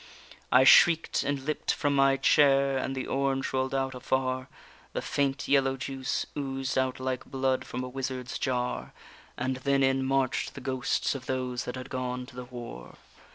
I shriek'd and leapt from my chair, and the orange roll'd out afar, The faint yellow juice oozed out like blood from a wizard's jar; And then in march'd the ghosts of those that had gone to the war.